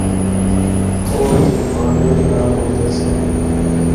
تھوڑے جئے پہانڈے وی نال ہوندے سے۔